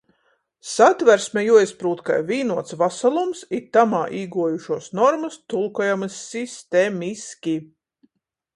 Satversme juoizprūt kai vīnuots vasalums, i tamā īguojušuos normys tulkojamys sistemiski.